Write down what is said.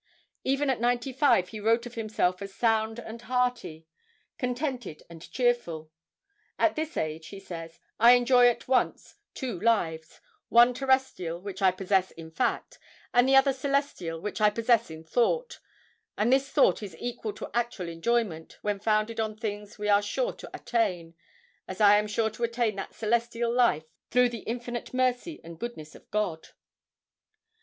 Even at ninety five he wrote of himself as "sound and hearty, contented and cheerful." "At this age," he says, "I enjoy at once two lives: one terrestrial, which I possess in fact; the other celestial, which I possess in thought; and this thought is equal to actual enjoyment, when founded on things we are sure to attain, as I am sure to attain that celestial life, through the infinite mercy and goodness of God."